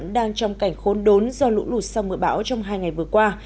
đang trong cảnh khốn đốn do lũ lụt sau mưa bão trong hai ngày vừa qua